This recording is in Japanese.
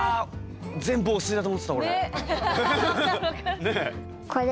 全部汚水だと思ってた俺。ね。